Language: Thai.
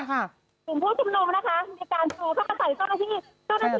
จุ่มผู้ชมนุมนะคะมีการจูเข้าไปใส่ต้นที่